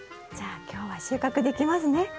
じゃあ今日は収穫できますね。